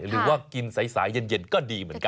หรือว่ากินสายเย็นก็ดีเหมือนกัน